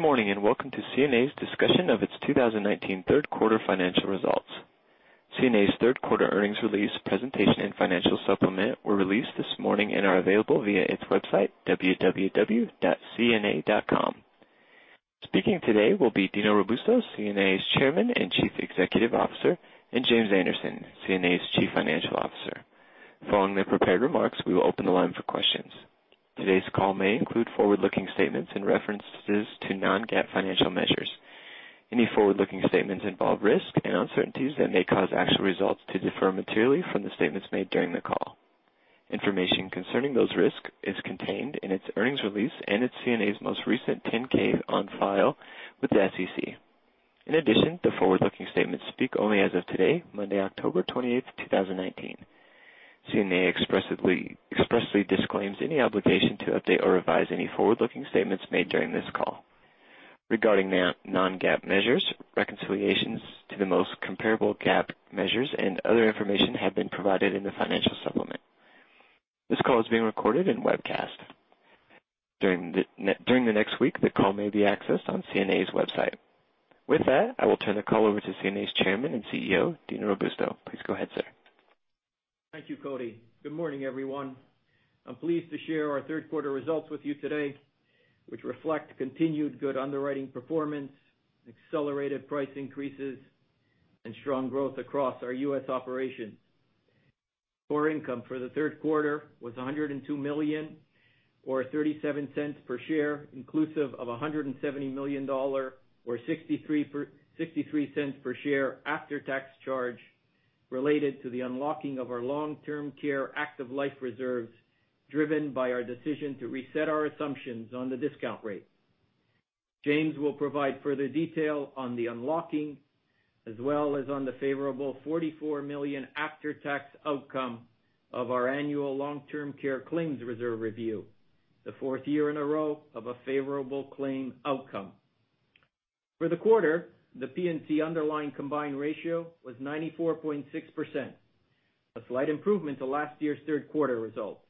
Good morning, and welcome to CNA's discussion of its 2019 third quarter financial results. CNA's third quarter earnings release presentation and financial supplement were released this morning and are available via its website, www.cna.com. Speaking today will be Dino Robusto, CNA's Chairman and Chief Executive Officer, and James Anderson, CNA's Chief Financial Officer. Following their prepared remarks, we will open the line for questions. Today's call may include forward-looking statements and references to non-GAAP financial measures. Any forward-looking statements involve risks and uncertainties that may cause actual results to differ materially from the statements made during the call. Information concerning those risks is contained in its earnings release and in CNA's most recent 10-K on file with the SEC. In addition, the forward-looking statements speak only as of today, Monday, October 28th, 2019. CNA expressly disclaims any obligation to update or revise any forward-looking statements made during this call. Regarding the non-GAAP measures, reconciliations to the most comparable GAAP measures and other information have been provided in the financial supplement. This call is being recorded and webcast. During the next week, the call may be accessed on CNA's website. With that, I will turn the call over to CNA's Chairman and CEO, Dino Robusto. Please go ahead, sir. Thank you, Cody. Good morning, everyone. I'm pleased to share our third quarter results with you today, which reflect continued good underwriting performance, accelerated price increases, and strong growth across our U.S. operations. Core income for the third quarter was $102 million or $0.37 per share, inclusive of $170 million, or $0.63 per share after-tax charge related to the unlocking of our long-term care active life reserves, driven by our decision to reset our assumptions on the discount rate. James will provide further detail on the unlocking, as well as on the favorable $44 million after-tax outcome of our annual long-term care claims reserve review, the fourth year in a row of a favorable claim outcome. For the quarter, the P&C underlying combined ratio was 94.6%, a slight improvement to last year's third quarter results.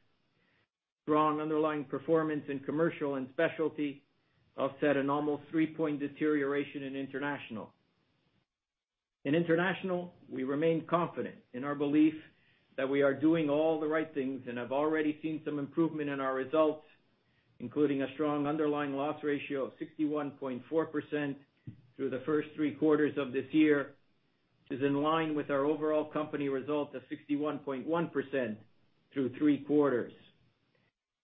Strong underlying performance in commercial and specialty offset an almost three-point deterioration in international. In international, we remain confident in our belief that we are doing all the right things and have already seen some improvement in our results, including a strong underlying loss ratio of 61.4% through the first three quarters of this year, which is in line with our overall company result of 61.1% through three quarters.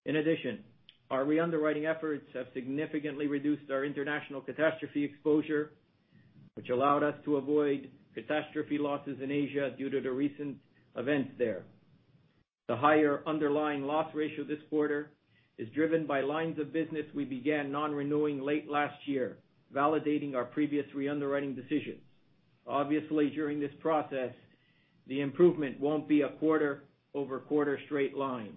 In addition, our re-underwriting efforts have significantly reduced our international catastrophe exposure, which allowed us to avoid catastrophe losses in Asia due to the recent events there. The higher underlying loss ratio this quarter is driven by lines of business we began non-renewing late last year, validating our previous re-underwriting decisions. Obviously, during this process, the improvement won't be a quarter-over-quarter straight line.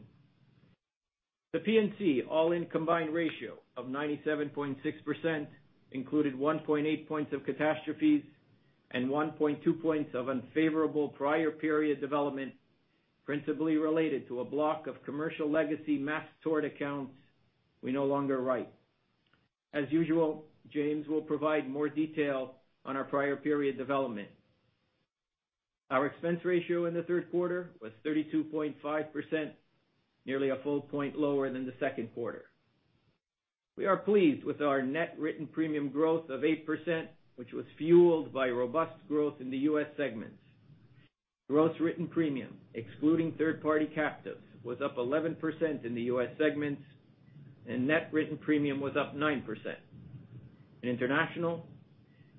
The P&C all-in combined ratio of 97.6% included 1.8 points of catastrophes and 1.2 points of unfavorable prior period development, principally related to a block of commercial legacy mass tort accounts we no longer write. As usual, James will provide more detail on our prior period development. Our expense ratio in the third quarter was 32.5%, nearly a full point lower than the second quarter. We are pleased with our net written premium growth of 8%, which was fueled by robust growth in the U.S. segments. Gross written premium, excluding third-party captives, was up 11% in the U.S. segments, and net written premium was up 9%. In international,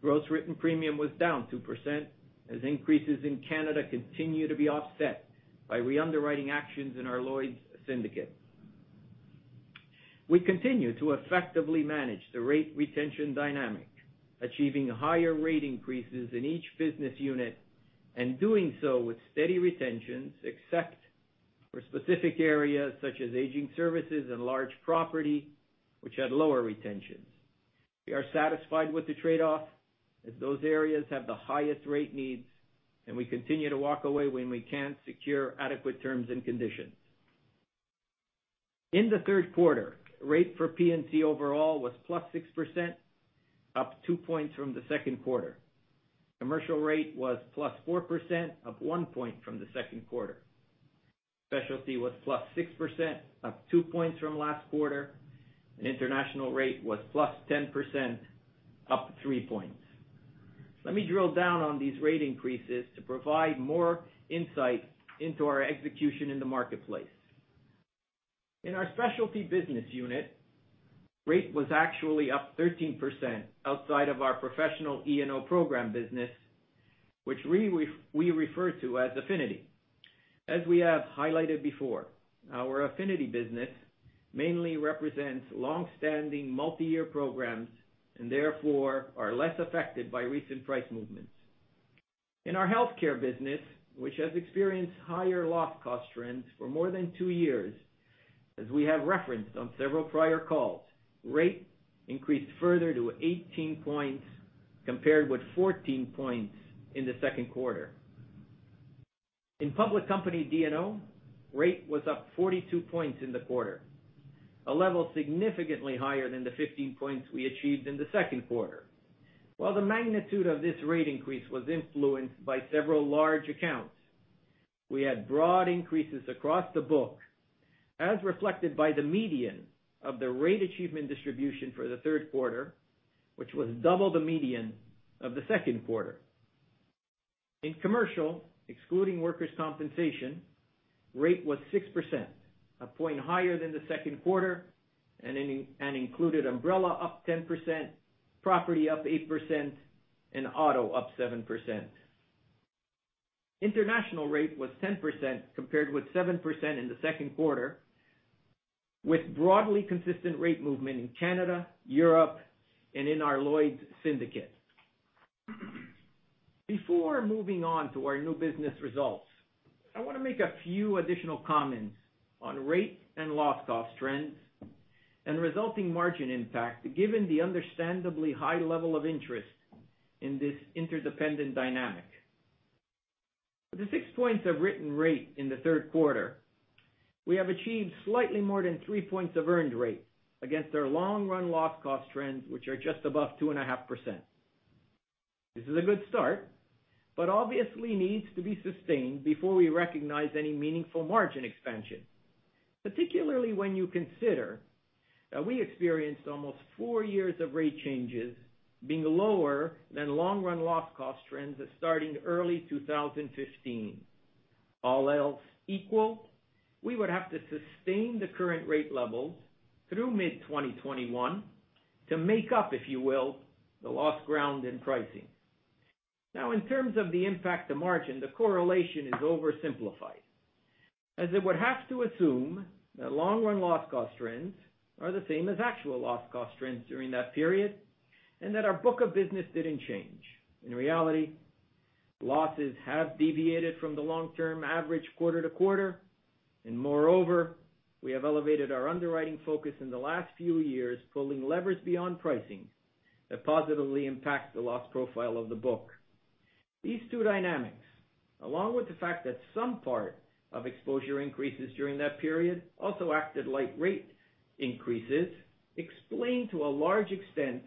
gross written premium was down 2% as increases in Canada continue to be offset by re-underwriting actions in our Lloyd's syndicate. We continue to effectively manage the rate retention dynamic, achieving higher rate increases in each business unit and doing so with steady retentions, except for specific areas such as aging services and large property, which had lower retentions. We are satisfied with the trade-off, as those areas have the highest rate needs, and we continue to walk away when we can't secure adequate terms and conditions. In the third quarter, rate for P&C overall was +6%, up two points from the second quarter. Commercial rate was +4%, up one point from the second quarter. Specialty was +6%, up two points from last quarter, and international rate was +10%, up three points. Let me drill down on these rate increases to provide more insight into our execution in the marketplace. In our specialty business unit, rate was actually up 13% outside of our professional E&O program business, which we refer to as affinity. As we have highlighted before, our affinity business mainly represents longstanding multiyear programs and therefore are less affected by recent price movements. In our healthcare business, which has experienced higher loss cost trends for more than two years, as we have referenced on several prior calls, rate increased further to 18 points compared with 14 points in the second quarter. In public company D&O, rate was up 42 points in the quarter, a level significantly higher than the 15 points we achieved in the second quarter. While the magnitude of this rate increase was influenced by several large accounts, we had broad increases across the book, as reflected by the median of the rate achievement distribution for the third quarter, which was double the median of the second quarter. In commercial, excluding workers' compensation, rate was 6%, a point higher than the second quarter, and included umbrella up 10%, property up 8%, and auto up 7%. International rate was 10%, compared with 7% in the second quarter, with broadly consistent rate movement in Canada, Europe, and in our Lloyd's syndicate. Before moving on to our new business results, I want to make a few additional comments on rate and loss cost trends and the resulting margin impact, given the understandably high level of interest in this interdependent dynamic. With the six points of written rate in the third quarter, we have achieved slightly more than three points of earned rate against our long-run loss cost trends, which are just above 2.5%. Obviously needs to be sustained before we recognize any meaningful margin expansion. Particularly when you consider that we experienced almost four years of rate changes being lower than long-run loss cost trends starting early 2015. All else equal, we would have to sustain the current rate levels through mid-2021 to make up, if you will, the lost ground in pricing. In terms of the impact to margin, the correlation is oversimplified, as it would have to assume that long-run loss cost trends are the same as actual loss cost trends during that period, and that our book of business didn't change. In reality, losses have deviated from the long-term average quarter to quarter. Moreover, we have elevated our underwriting focus in the last few years, pulling levers beyond pricing that positively impact the loss profile of the book. These two dynamics, along with the fact that some part of exposure increases during that period also acted like rate increases, explain to a large extent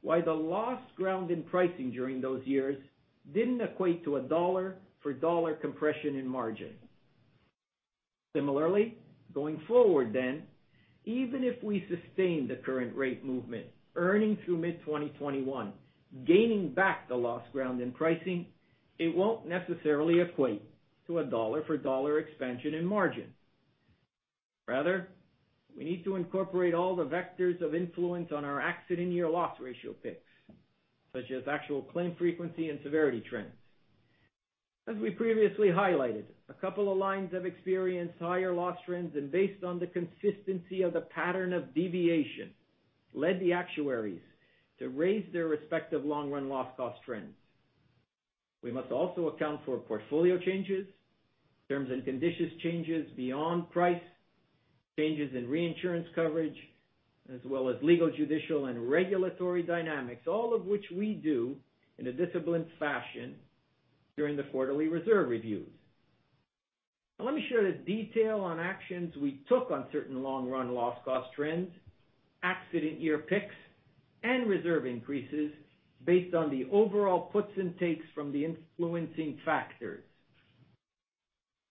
why the lost ground in pricing during those years didn't equate to a dollar for dollar compression in margin. Similarly, going forward, even if we sustain the current rate movement earning through mid-2021, gaining back the lost ground in pricing, it won't necessarily equate to a dollar for dollar expansion in margin. Rather, we need to incorporate all the vectors of influence on our accident year loss ratio picks, such as actual claim frequency and severity trends. As we previously highlighted, a couple of lines have experienced higher loss trends, and based on the consistency of the pattern of deviation, led the actuaries to raise their respective long-run loss cost trends. We must also account for portfolio changes, terms and conditions changes beyond price, changes in reinsurance coverage, as well as legal, judicial, and regulatory dynamics, all of which we do in a disciplined fashion during the quarterly reserve reviews. Now, let me share the detail on actions we took on certain long-run loss cost trends, accident year picks, and reserve increases based on the overall puts and takes from the influencing factors.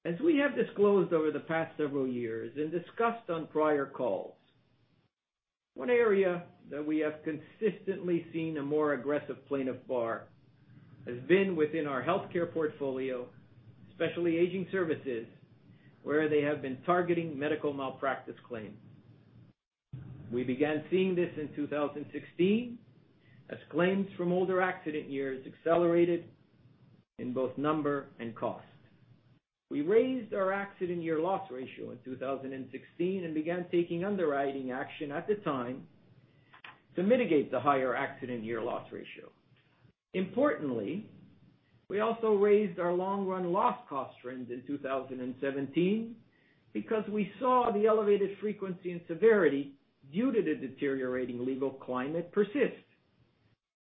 As we have disclosed over the past several years and discussed on prior calls, one area that we have consistently seen a more aggressive plaintiff bar has been within our healthcare portfolio, especially aging services, where they have been targeting medical malpractice claims. We began seeing this in 2016 as claims from older accident years accelerated in both number and cost. We raised our accident year loss ratio in 2016 and began taking underwriting action at the time to mitigate the higher accident year loss ratio. Importantly, we also raised our long-run loss cost trends in 2017 because we saw the elevated frequency and severity due to the deteriorating legal climate persist,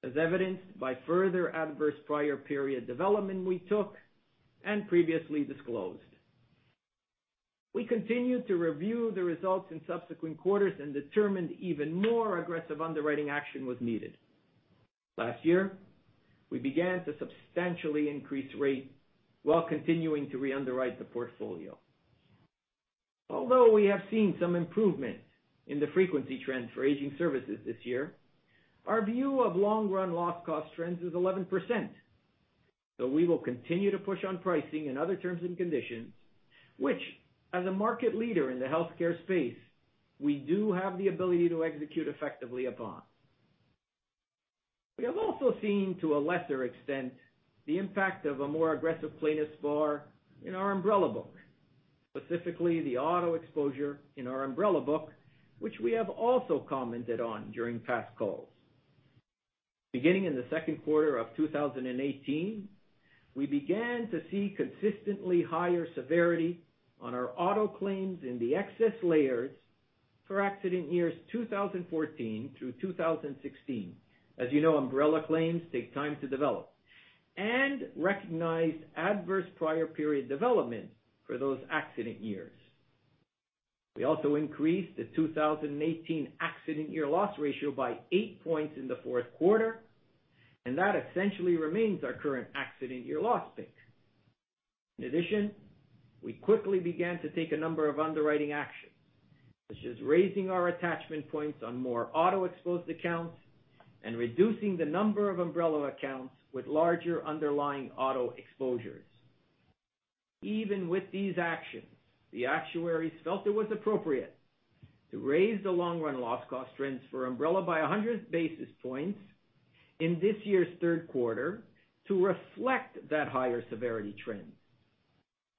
as evidenced by further adverse prior period development we took and previously disclosed. We continued to review the results in subsequent quarters and determined even more aggressive underwriting action was needed. Last year, we began to substantially increase rate while continuing to re-underwrite the portfolio. Although we have seen some improvement in the frequency trend for aging services this year, our view of long-run loss cost trends is 11%. We will continue to push on pricing and other terms and conditions, which, as a market leader in the healthcare space, we do have the ability to execute effectively upon. We have also seen, to a lesser extent, the impact of a more aggressive plaintiff's bar in our umbrella book, specifically the auto exposure in our umbrella book, which we have also commented on during past calls. Beginning in the second quarter of 2018, we began to see consistently higher severity on our auto claims in the excess layers for accident years 2014 through 2016. As you know, umbrella claims take time to develop and recognize adverse prior period development for those accident years. We also increased the 2018 accident year loss ratio by eight points in the fourth quarter, and that essentially remains our current accident year loss pick. In addition, we quickly began to take a number of underwriting actions, such as raising our attachment points on more auto-exposed accounts and reducing the number of umbrella accounts with larger underlying auto exposures. Even with these actions, the actuaries felt it was appropriate to raise the long-run loss cost trends for umbrella by 100 basis points in this year's third quarter to reflect that higher severity trend.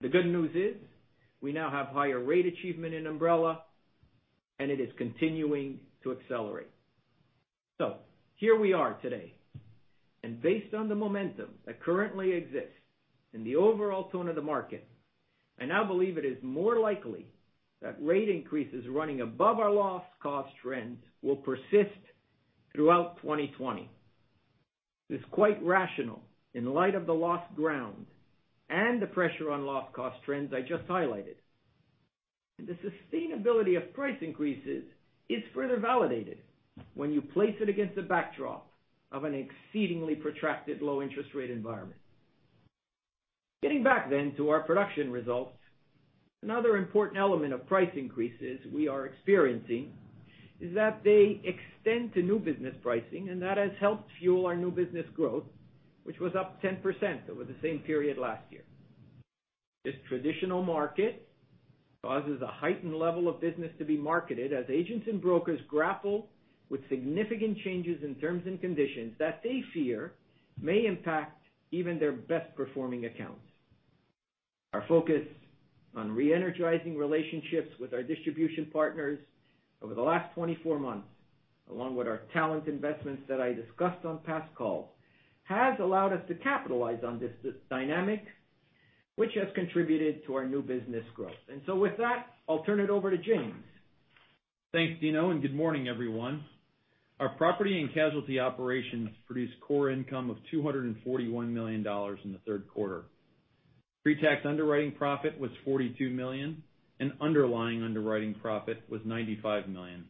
The good news is we now have higher rate achievement in umbrella, and it is continuing to accelerate. Here we are today, and based on the momentum that currently exists and the overall tone of the market, I now believe it is more likely that rate increases running above our loss cost trends will persist throughout 2020. It is quite rational in light of the lost ground and the pressure on loss cost trends I just highlighted. The sustainability of price increases is further validated when you place it against the backdrop of an exceedingly protracted low interest rate environment. Getting back to our production results, another important element of price increases we are experiencing is that they extend to new business pricing, and that has helped fuel our new business growth, which was up 10% over the same period last year. This traditional market causes a heightened level of business to be marketed as agents and brokers grapple with significant changes in terms and conditions that they fear may impact even their best-performing accounts. Our focus on re-energizing relationships with our distribution partners over the last 24 months, along with our talent investments that I discussed on past calls, has allowed us to capitalize on this dynamic, which has contributed to our new business growth. With that, I'll turn it over to James. Thanks, Dino. Good morning, everyone. Our property and casualty operations produced core income of $241 million in the third quarter. Pre-tax underwriting profit was $42 million, and underlying underwriting profit was $95 million.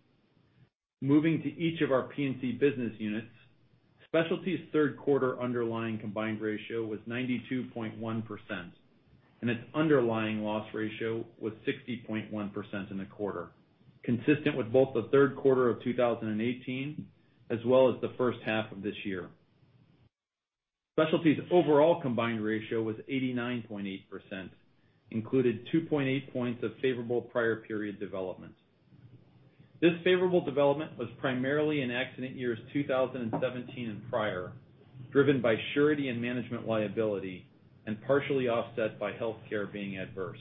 Moving to each of our P&C business units, Specialty's third quarter underlying combined ratio was 92.1%, and its underlying loss ratio was 60.1% in the quarter, consistent with both the third quarter of 2018 as well as the first half of this year. Specialty's overall combined ratio was 89.8%, included 2.8 points of favorable prior period development. This favorable development was primarily in accident years 2017 and prior, driven by surety and management liability, and partially offset by healthcare being adverse.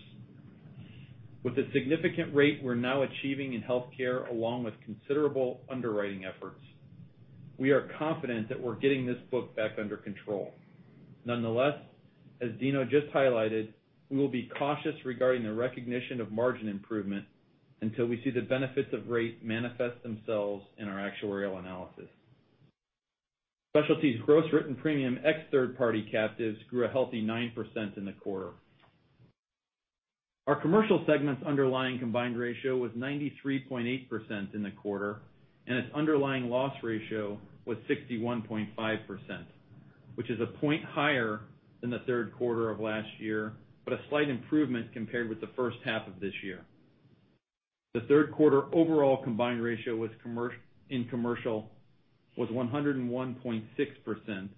With the significant rate we're now achieving in healthcare, along with considerable underwriting efforts, we are confident that we're getting this book back under control. Nonetheless, as Dino just highlighted, we will be cautious regarding the recognition of margin improvement until we see the benefits of rate manifest themselves in our actuarial analysis. Specialty's gross written premium, ex third-party captives, grew a healthy 9% in the quarter. Our Commercial segment's underlying combined ratio was 93.8% in the quarter, and its underlying loss ratio was 61.5%, which is a point higher than the third quarter of last year, but a slight improvement compared with the first half of this year. The third quarter overall combined ratio in Commercial was 101.6%,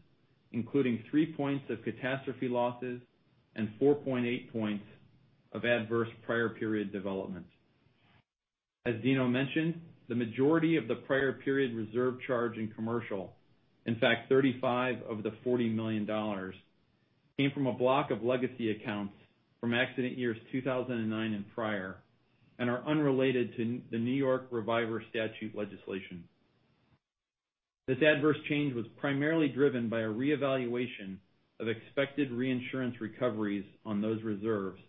including three points of catastrophe losses and 4.8 points of adverse prior period development. As Dino mentioned, the majority of the prior period reserve charge in Commercial, in fact, $35 of the $40 million, came from a block of legacy accounts from accident years 2009 and prior, and are unrelated to the New York revival statute legislation. This adverse change was primarily driven by a reevaluation of expected reinsurance recoveries on those reserves,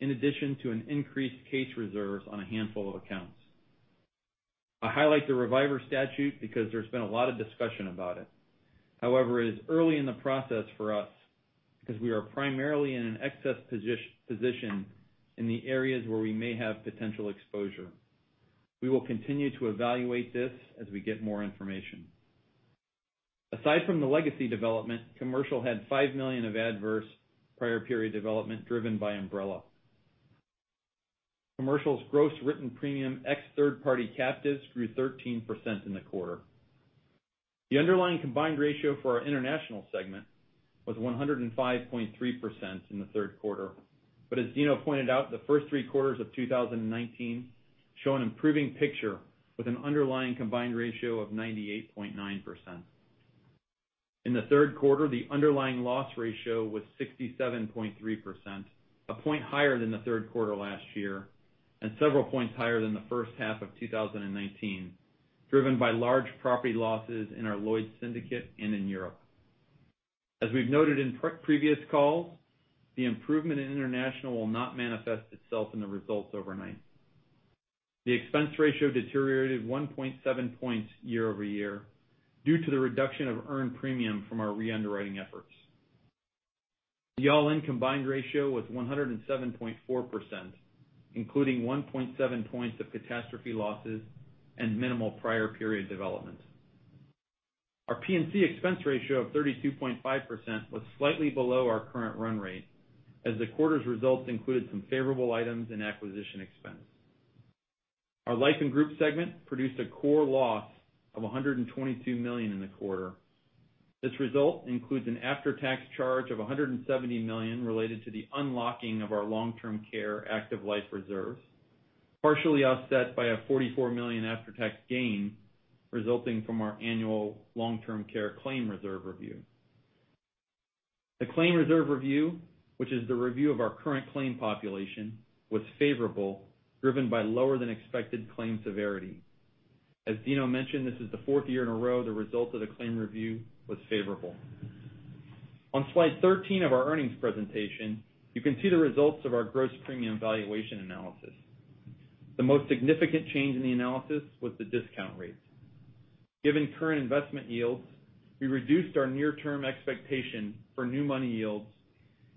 in addition to an increased case reserves on a handful of accounts. I highlight the revival statute because there's been a lot of discussion about it. However, it is early in the process for us because we are primarily in an excess position in the areas where we may have potential exposure. We will continue to evaluate this as we get more information. Aside from the legacy development, Commercial had $5 million of adverse prior period development driven by umbrella. Commercial's gross written premium, ex third-party captives, grew 13% in the quarter. The underlying combined ratio for our International segment was 105.3% in the third quarter. As Dino pointed out, the first three quarters of 2019 show an improving picture with an underlying combined ratio of 98.9%. In the third quarter, the underlying loss ratio was 67.3%, 1 point higher than the third quarter last year and several points higher than the first half of 2019, driven by large property losses in our Lloyd's syndicate and in Europe. As we've noted in previous calls, the improvement in international will not manifest itself in the results overnight. The expense ratio deteriorated 1.7 points year-over-year due to the reduction of earned premium from our re-underwriting efforts. The all-in combined ratio was 107.4%, including 1.7 points of catastrophe losses and minimal prior period development. Our P&C expense ratio of 32.5% was slightly below our current run rate, as the quarter's results included some favorable items and acquisition expense. Our life and group segment produced a core loss of $122 million in the quarter. This result includes an after-tax charge of $170 million related to the unlocking of our long-term care active life reserves, partially offset by a $44 million after-tax gain resulting from our annual long-term care claim reserve review. The claim reserve review, which is the review of our current claim population, was favorable, driven by lower than expected claim severity. As Dino mentioned, this is the fourth year in a row the result of the claim review was favorable. On slide 13 of our earnings presentation, you can see the results of our gross premium valuation analysis. The most significant change in the analysis was the discount rates. Given current investment yields, we reduced our near term expectation for new money yields,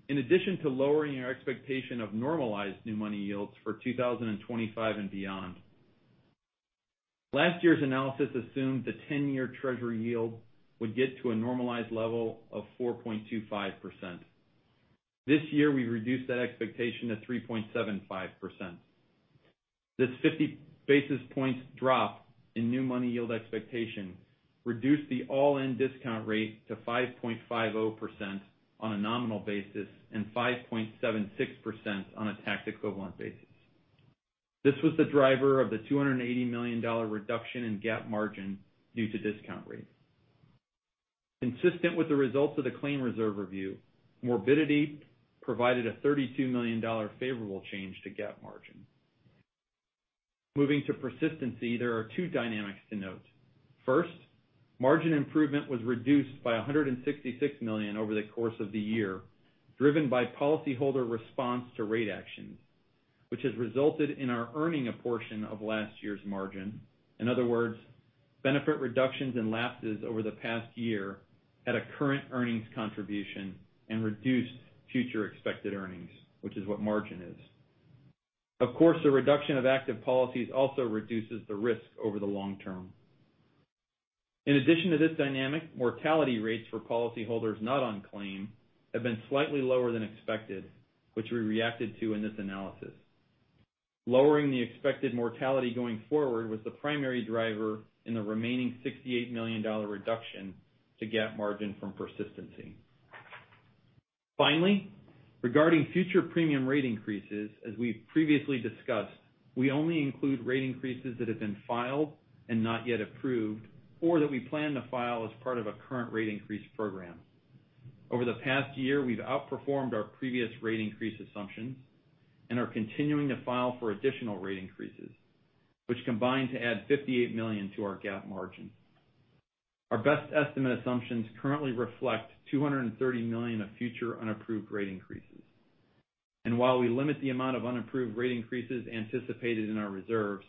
in addition to lowering our expectation of normalized new money yields for 2025 and beyond. Last year's analysis assumed the 10-year Treasury yield would get to a normalized level of 4.25%. This year, we reduced that expectation to 3.75%. This 50 basis points drop in new money yield expectation reduced the all-in discount rate to 5.50% on a nominal basis and 5.76% on a tax equivalent basis. This was the driver of the $280 million reduction in GAAP margin due to discount rates. Consistent with the results of the claim reserve review, morbidity provided a $32 million favorable change to GAAP margin. Moving to persistency, there are two dynamics to note. First, margin improvement was reduced by $166 million over the course of the year, driven by policyholder response to rate actions, which has resulted in our earning a portion of last year's margin. In other words, benefit reductions and lapses over the past year at a current earnings contribution and reduced future expected earnings, which is what margin is. Of course, the reduction of active policies also reduces the risk over the long term. In addition to this dynamic, mortality rates for policyholders not on claim have been slightly lower than expected, which we reacted to in this analysis. Lowering the expected mortality going forward was the primary driver in the remaining $68 million reduction to GAAP margin from persistency. Finally, regarding future premium rate increases, as we've previously discussed, we only include rate increases that have been filed and not yet approved, or that we plan to file as part of a current rate increase program. Over the past year, we've outperformed our previous rate increase assumptions and are continuing to file for additional rate increases, which combine to add $58 million to our GAAP margin. Our best estimate assumptions currently reflect $230 million of future unapproved rate increases. While we limit the amount of unapproved rate increases anticipated in our reserves,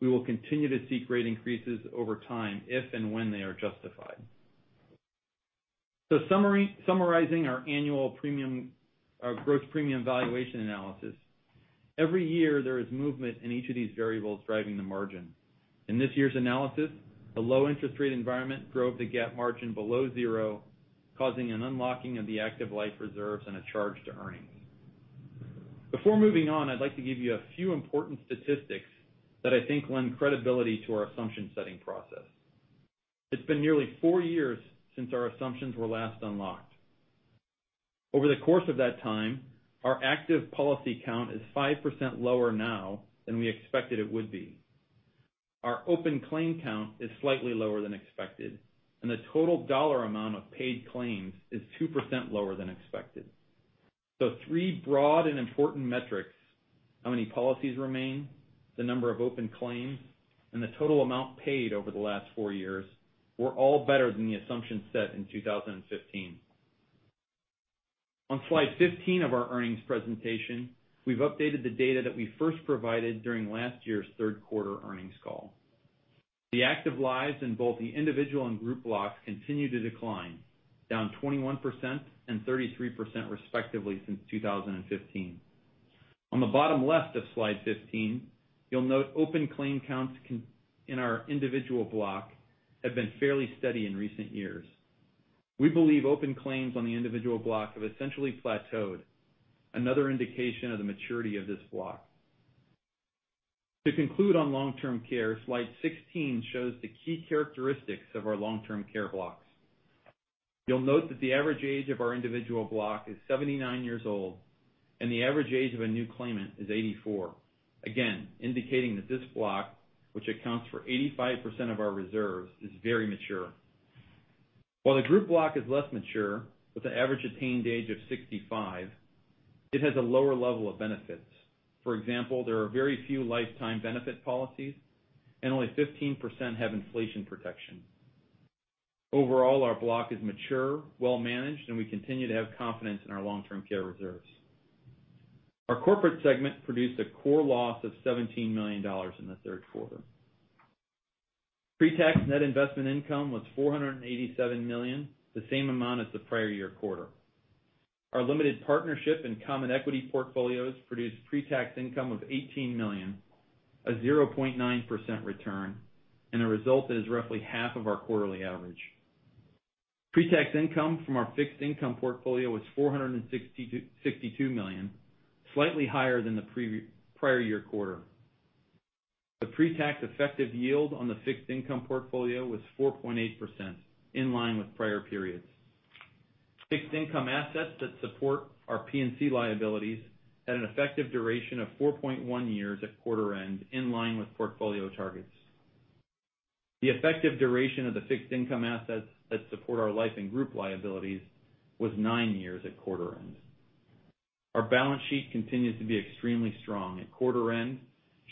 we will continue to seek rate increases over time if and when they are justified. Summarizing our gross premium valuation analysis. Every year, there is movement in each of these variables driving the margin. In this year's analysis, the low interest rate environment drove the GAAP margin below zero, causing an unlocking of the active life reserves and a charge to earnings. Before moving on, I'd like to give you a few important statistics that I think lend credibility to our assumption setting process. It's been nearly four years since our assumptions were last unlocked. Over the course of that time, our active policy count is 5% lower now than we expected it would be. Our open claim count is slightly lower than expected, and the total dollar amount of paid claims is 2% lower than expected. Three broad and important metrics, how many policies remain, the number of open claims, and the total amount paid over the last four years, were all better than the assumptions set in 2015. On slide 15 of our earnings presentation, we've updated the data that we first provided during last year's third quarter earnings call. The active lives in both the individual and group blocks continue to decline, down 21% and 33% respectively since 2015. On the bottom left of slide 15, you'll note open claim counts in our individual block have been fairly steady in recent years. We believe open claims on the individual block have essentially plateaued, another indication of the maturity of this block. To conclude on long-term care, slide 16 shows the key characteristics of our long-term care blocks. You'll note that the average age of our individual block is 79 years old, and the average age of a new claimant is 84. Again, indicating that this block, which accounts for 85% of our reserves, is very mature. While the group block is less mature, with an average attained age of 65. It has a lower level of benefits. For example, there are very few lifetime benefit policies, and only 15% have inflation protection. Overall, our block is mature, well-managed, and we continue to have confidence in our long-term care reserves. Our corporate segment produced a core loss of $17 million in the third quarter. Pre-tax net investment income was $487 million, the same amount as the prior year quarter. Our limited partnership and common equity portfolios produced pre-tax income of $18 million, a 0.9% return, and a result that is roughly half of our quarterly average. Pre-tax income from our fixed income portfolio was $462 million, slightly higher than the prior year quarter. The pre-tax effective yield on the fixed income portfolio was 4.8%, in line with prior periods. Fixed income assets that support our P&C liabilities had an effective duration of 4.1 years at quarter end, in line with portfolio targets. The effective duration of the fixed income assets that support our life in group liabilities was nine years at quarter end. Our balance sheet continues to be extremely strong. At quarter end,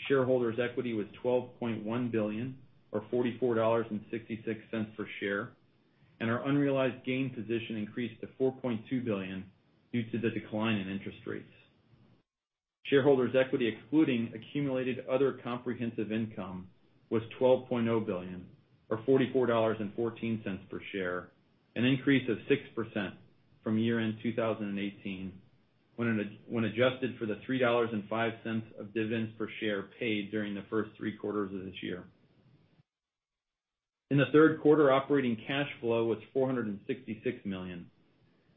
shareholders' equity was $12.1 billion or $44.66 per share, and our unrealized gain position increased to $4.2 billion due to the decline in interest rates. Shareholders' equity, excluding accumulated other comprehensive income, was $12.0 billion or $44.14 per share, an increase of 6% from year-end 2018 when adjusted for the $3.05 of dividends per share paid during the first three quarters of this year. In the third quarter, operating cash flow was $466 million.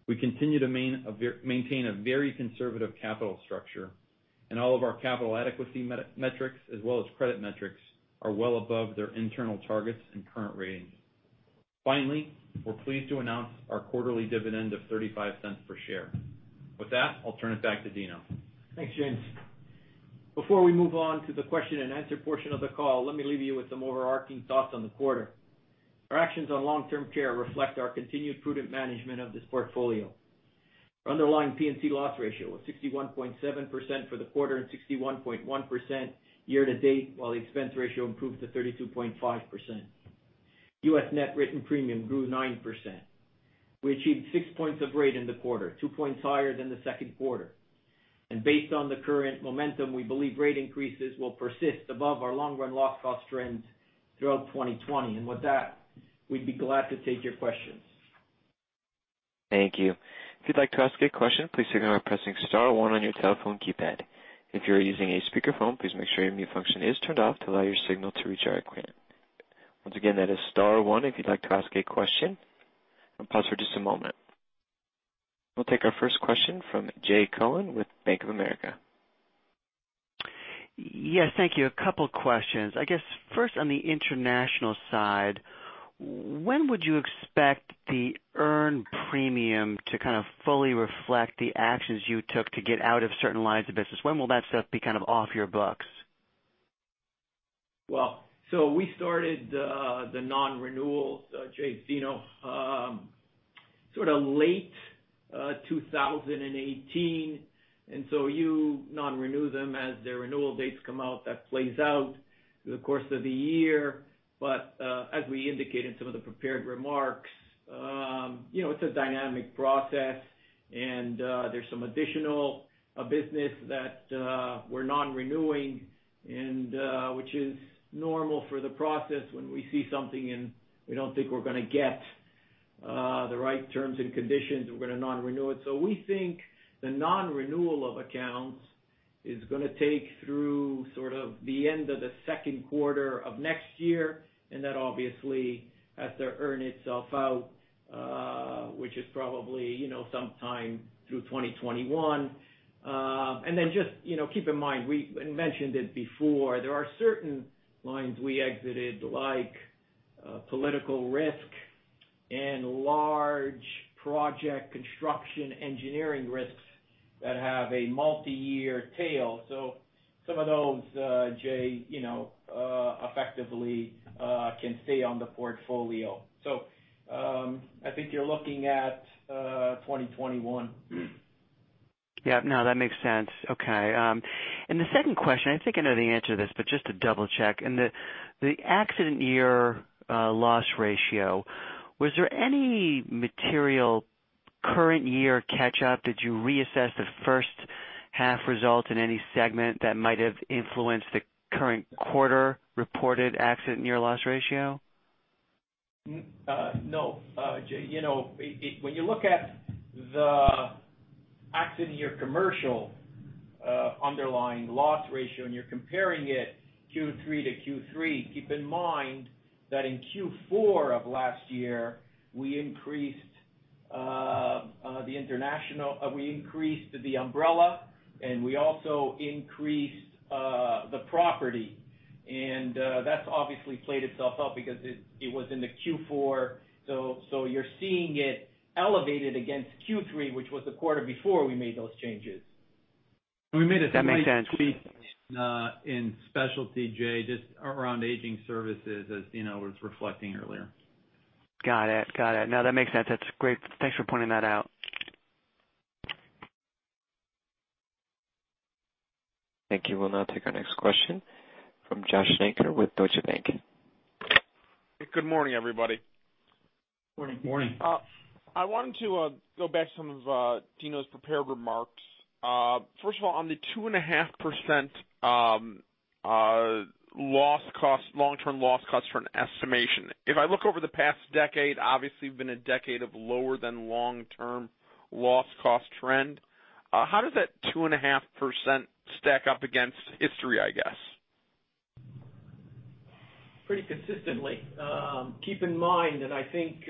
We continue to maintain a very conservative capital structure, and all of our capital adequacy metrics, as well as credit metrics, are well above their internal targets and current ratings. Finally, we're pleased to announce our quarterly dividend of $0.35 per share. With that, I'll turn it back to Dino. Thanks, James. Before we move on to the question and answer portion of the call, let me leave you with some overarching thoughts on the quarter. Our actions on long-term care reflect our continued prudent management of this portfolio. Our underlying P&C loss ratio was 61.7% for the quarter and 61.1% year to date, while the expense ratio improved to 32.5%. U.S. net written premium grew 9%. We achieved 6 points of rate in the quarter, 2 points higher than the second quarter. Based on the current momentum, we believe rate increases will persist above our long-run loss cost trends throughout 2020. With that, we'd be glad to take your questions. Thank you. If you'd like to ask a question, please signal by pressing star one on your telephone keypad. If you're using a speakerphone, please make sure your mute function is turned off to allow your signal to reach our equipment. Once again, that is star one if you'd like to ask a question. I'll pause for just a moment. We'll take our first question from Jay Cohen with Bank of America. Yes, thank you. A couple questions. I guess, first on the international side, when would you expect the earned premium to kind of fully reflect the actions you took to get out of certain lines of business? When will that stuff be kind of off your books? Well, we started the non-renewal, Jay, Dino, sort of late 2018. You non-renew them as their renewal dates come out. That plays out through the course of the year. As we indicated in some of the prepared remarks, it's a dynamic process, and there's some additional business that we're non-renewing, which is normal for the process when we see something and we don't think we're going to get the right terms and conditions, we're going to non-renew it. We think the non-renewal of accounts is going to take through sort of the end of the second quarter of next year, and that obviously has to earn itself out, which is probably sometime through 2021. Just keep in mind, we mentioned it before, there are certain lines we exited, like political risk and large project construction engineering risks that have a multi-year tail. Some of those, Jay, effectively can stay on the portfolio. I think you're looking at 2021. Yeah. No, that makes sense. Okay. The second question, I think I know the answer to this, but just to double-check. In the accident year loss ratio, was there any material current year catch-up? Did you reassess the first half result in any segment that might have influenced the current quarter-reported accident year loss ratio? No. Jay, when you look at the accident year commercial underlying loss ratio, and you're comparing it Q3 to Q3, keep in mind that in Q4 of last year, we increased the umbrella, and we also increased the property. That's obviously played itself out because it was in the Q4. You're seeing it elevated against Q3, which was the quarter before we made those changes. We made a slight tweak in specialty, Jay, just around aging services as Dino was reflecting earlier. Got it. No, that makes sense. That's great. Thanks for pointing that out. Thank you. We'll now take our next question from Joshua Shanker with Deutsche Bank. Good morning, everybody. Morning. Morning. I wanted to go back to some of Dino's prepared remarks. First of all, on the 2.5% long-term loss cost for an estimation, if I look over the past decade, obviously, been a decade of lower than long-term loss cost trend, how does that 2.5% stack up against history, I guess? Pretty consistently. Keep in mind, I think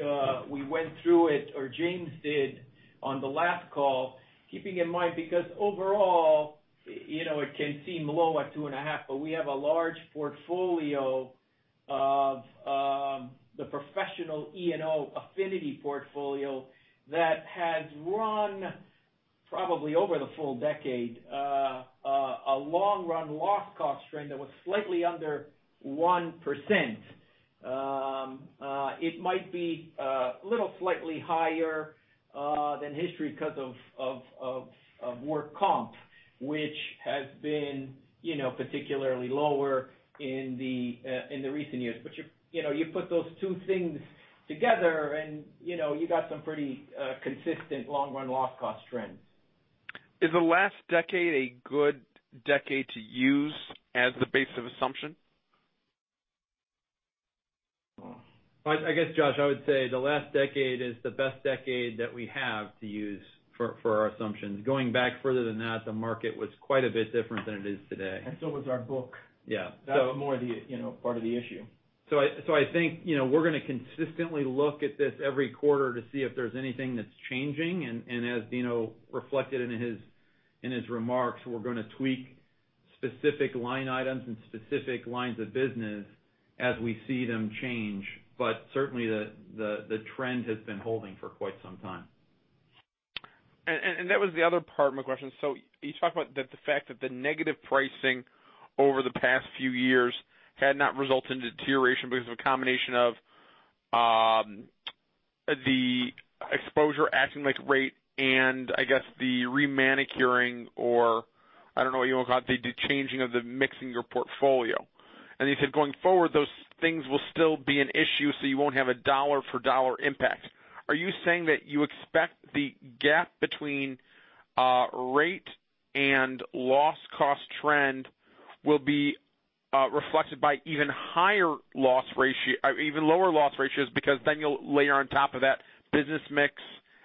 we went through it, or James did on the last call, keeping in mind because overall, it can seem low at 2.5%, but we have a large portfolio of the professional E&O affinity portfolio that has run probably over the full decade, a long-run loss cost trend that was slightly under 1%. It might be a little slightly higher than history because of more comp, which has been particularly lower in the recent years. You put those two things together and you got some pretty consistent long-run loss cost trends. Is the last decade a good decade to use as the base of assumption? I guess, Josh, I would say the last decade is the best decade that we have to use for our assumptions. Going back further than that, the market was quite a bit different than it is today. Was our book. Yeah. That's more the part of the issue. I think, we're going to consistently look at this every quarter to see if there's anything that's changing, and as Dino reflected in his remarks, we're going to tweak specific line items and specific lines of business as we see them change. Certainly, the trend has been holding for quite some time. That was the other part of my question. You talk about the fact that the negative pricing over the past few years had not resulted in deterioration because of a combination of the exposure acting like rate, and I guess the re-manicuring or I don't know what you want to call it, the changing of the mixing your portfolio. You said going forward, those things will still be an issue, so you won't have a dollar-for-dollar impact. Are you saying that you expect the gap between rate and loss cost trend will be reflected by even lower loss ratios because then you'll layer on top of that business mix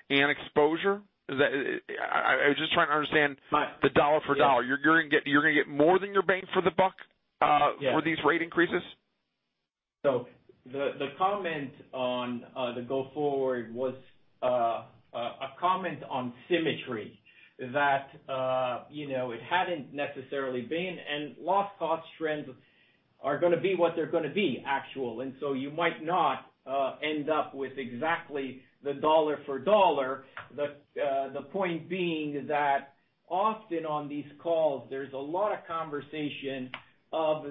and exposure? I was just trying to understand the dollar for dollar. You're going to get more than your bang for the buck. Yeah with these rate increases? The comment on the go forward was a comment on symmetry that it hadn't necessarily been, and loss cost trends are going to be what they're going to be actual. You might not end up with exactly the dollar for dollar. The point being that often on these calls, there's a lot of conversation of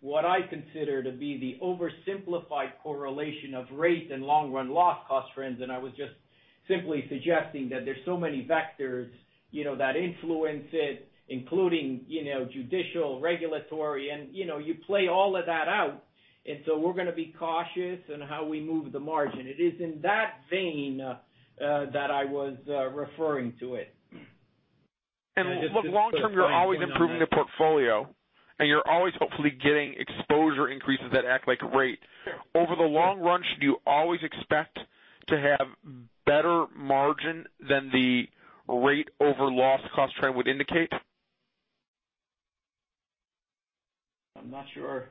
what I consider to be the oversimplified correlation of rate and long run loss cost trends, and I was just simply suggesting that there's so many vectors that influence it, including judicial, regulatory, and you play all of that out. We're going to be cautious in how we move the margin. It is in that vein that I was referring to it. Look, long-term, you're always improving the portfolio, and you're always hopefully getting exposure increases that act like rate. Sure. Over the long run, should you always expect to have better margin than the rate over loss cost trend would indicate? I'm not sure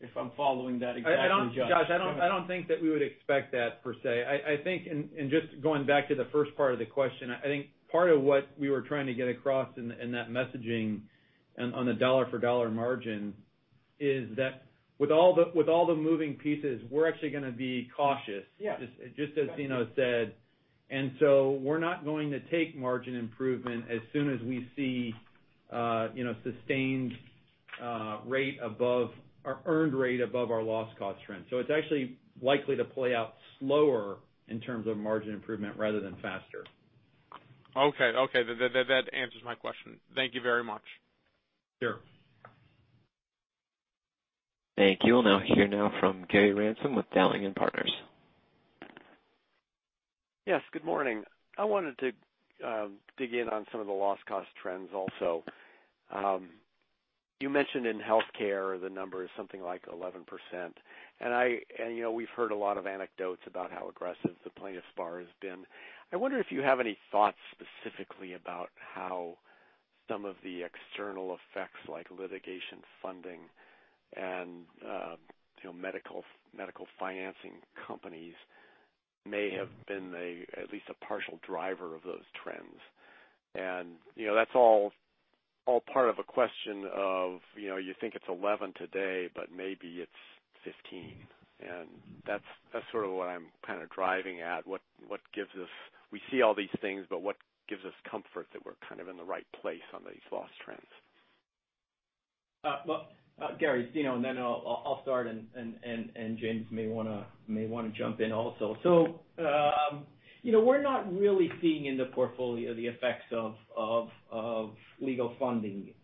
if I'm following that exactly, Josh. Josh, I don't think that we would expect that per se. I think, and just going back to the first part of the question, I think part of what we were trying to get across in that messaging on the dollar-for-dollar margin is that with all the moving pieces, we're actually going to be cautious. Yeah. Just as Dino said. We're not going to take margin improvement as soon as we see sustained earned rate above our loss cost trend. It's actually likely to play out slower in terms of margin improvement rather than faster. Okay. That answers my question. Thank you very much. Sure. Thank you. We'll now hear from Gary Ransom with Dowling & Partners. Yes, good morning. I wanted to dig in on some of the loss cost trends also. You mentioned in healthcare the number is something like 11%. We've heard a lot of anecdotes about how aggressive the plaintiff's bar has been. I wonder if you have any thoughts specifically about how some of the external effects like litigation funding and medical financing companies may have been at least a partial driver of those trends. That's all part of a question of you think it's 11 today, but maybe it's 15. That's sort of what I'm kind of driving at. What gives us comfort that we're kind of in the right place on these loss trends? Gary, Dino, I'll start, and James may want to jump in also. We're not really seeing in the portfolio the effects of legal funding.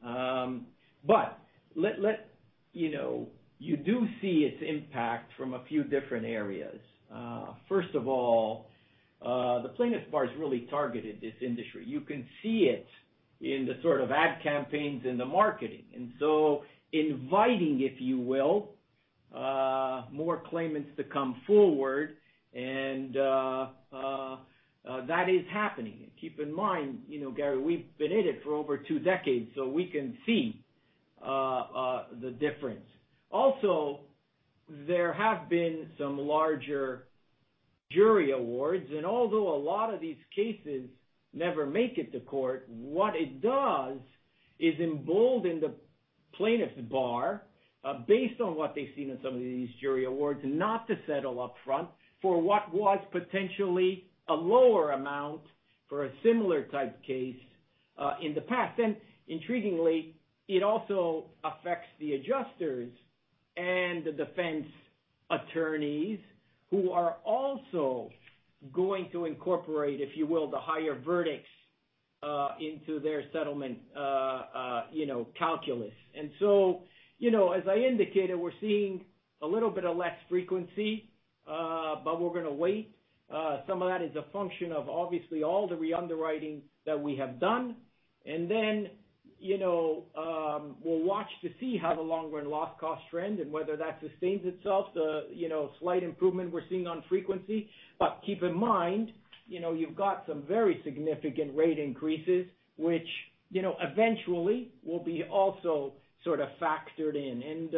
You do see its impact from a few different areas. First of all, the plaintiffs' bar's really targeted this industry. You can see it in the ad campaigns and the marketing. Inviting, if you will, more claimants to come forward, and that is happening. Keep in mind, Gary, we've been at it for over two decades, so we can see the difference. Also, there have been some larger jury awards, and although a lot of these cases never make it to court, what it does is embolden the plaintiffs' bar, based on what they've seen in some of these jury awards, not to settle upfront for what was potentially a lower amount for a similar type case in the past. Intriguingly, it also affects the adjusters and the defense attorneys who are also going to incorporate, if you will, the higher verdicts into their settlement calculus. As I indicated, we're seeing a little bit of less frequency, but we're going to wait. Some of that is a function of obviously all the re-underwriting that we have done. Then, we'll watch to see how the longer and loss cost trend and whether that sustains itself, the slight improvement we're seeing on frequency. Keep in mind, you've got some very significant rate increases, which eventually will be also sort of factored in.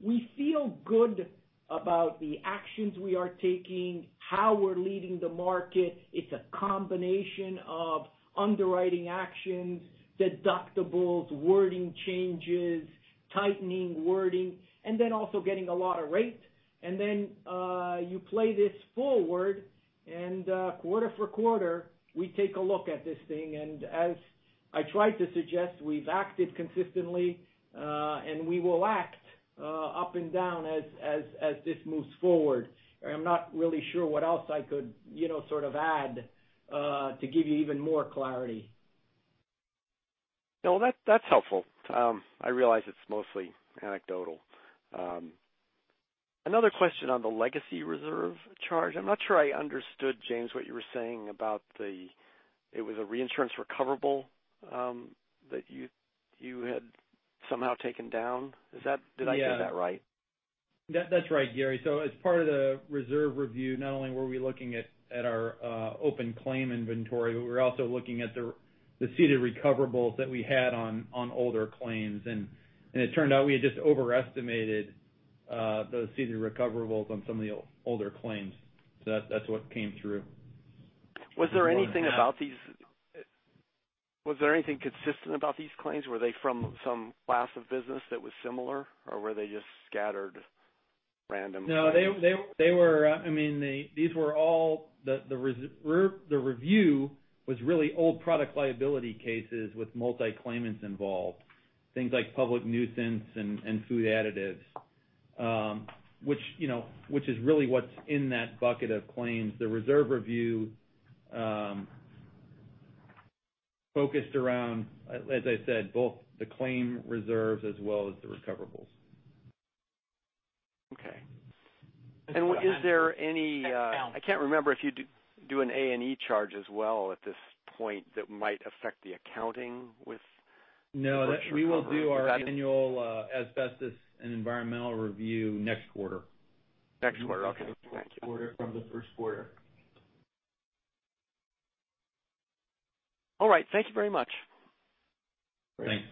We feel good about the actions we are taking, how we're leading the market. It's a combination of underwriting actions, deductibles, wording changes, tightening wording, and then also getting a lot of rate. You play this forward and quarter for quarter, we take a look at this thing. As I tried to suggest, we've acted consistently, and we will act up and down as this moves forward. I'm not really sure what else I could add to give you even more clarity. No, that's helpful. I realize it's mostly anecdotal. Another question on the legacy reserve charge. I'm not sure I understood, James, what you were saying about the reinsurance recoverable that you had somehow taken down. Did I get that right? That's right, Gary. As part of the reserve review, not only were we looking at our open claim inventory, but we were also looking at the ceded recoverables that we had on older claims. It turned out we had just overestimated those ceded recoverables on some of the older claims. That's what came through. Was there anything consistent about these claims? Were they from some class of business that was similar, or were they just scattered random claims? No. The review was really old product liability cases with multi-claimants involved, things like public nuisance and food additives, which is really what's in that bucket of claims. The reserve review focused around, as I said, both the claim reserves as well as the recoverables. Okay. Is there any-- I can't remember if you do an A&E charge as well at this point that might affect the accounting with- No. We will do our annual asbestos and environmental review next quarter. Next quarter. Okay. Thank you. From the first quarter. All right. Thank you very much. Thanks.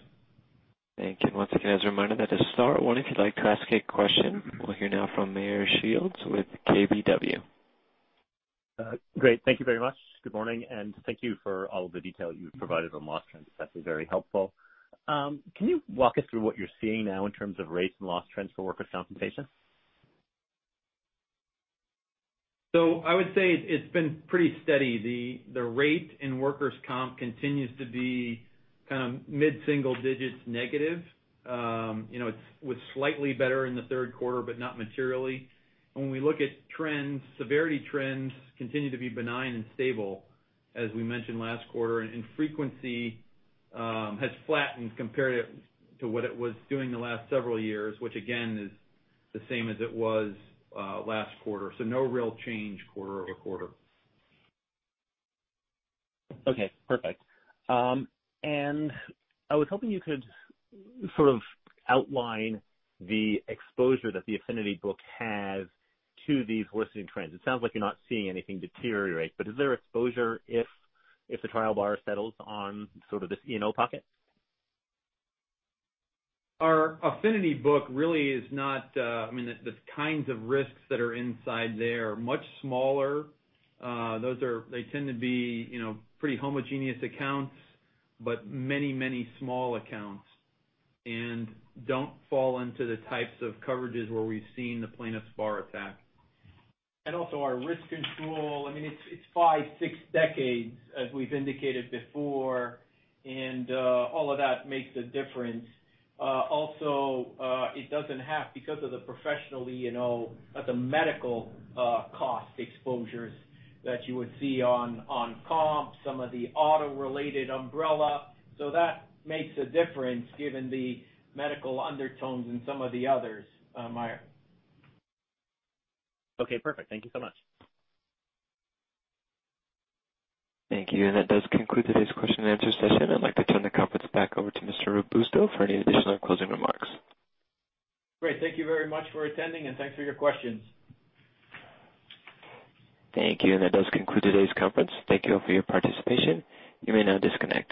Thank you. Once again, as a reminder, that is star one if you'd like to ask a question. We'll hear now from Meyer Shields with KBW. Great. Thank you very much. Good morning, and thank you for all of the detail you've provided on loss trends. That's been very helpful. Can you walk us through what you're seeing now in terms of rates and loss trends for workers' compensation? I would say it's been pretty steady. The rate in workers' comp continues to be kind of mid-single digits negative. It's slightly better in the third quarter, but not materially. When we look at trends, severity trends continue to be benign and stable, as we mentioned last quarter. Frequency has flattened compared to what it was doing the last several years, which again, is the same as it was last quarter. No real change quarter-over-quarter. Okay, perfect. I was hoping you could sort of outline the exposure that the affinity book has to these worsening trends. It sounds like you're not seeing anything deteriorate, but is there exposure if the trial bar settles on sort of this E&O pocket? Our affinity book really is not I mean, the kinds of risks that are inside there are much smaller. They tend to be pretty homogeneous accounts, but many small accounts, and don't fall into the types of coverages where we've seen the plaintiffs' bar attack. Also, our risk control, I mean, it's five, six decades, as we've indicated before, and all of that makes a difference. Also, it doesn't have, because of the professional E&O, the medical cost exposures that you would see on comp, some of the auto-related umbrella. That makes a difference given the medical undertones in some of the others, Meyer. Okay, perfect. Thank you so much. Thank you. That does conclude today's question and answer session. I'd like to turn the conference back over to Mr. Robusto for any additional closing remarks. Great. Thank you very much for attending, and thanks for your questions. Thank you. That does conclude today's conference. Thank you all for your participation. You may now disconnect.